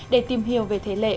để tìm hiểu về thế lệ